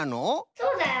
そうだよ。